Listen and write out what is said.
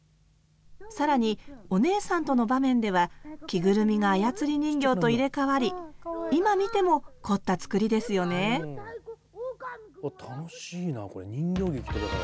更にお姉さんとの場面では着ぐるみが操り人形と入れ代わり今見ても凝った作りですよねうわ